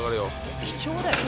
貴重だよ